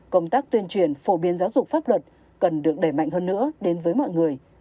công tác tuyên truyền phổ biến giáo dục pháp luật cần được đẩy mạnh hơn nữa đến với mọi người